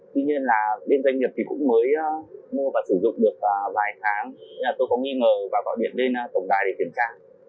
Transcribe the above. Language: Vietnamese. tuy nhiên là bên doanh nghiệp cũng mới mua và sử dụng được vài tháng tôi có nghi ngờ và gọi điện lên tổng đài để kiểm tra